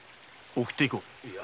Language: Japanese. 送っていこう。